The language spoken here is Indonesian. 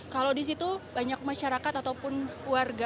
kalau disitu banyak masyarakat ataupun warga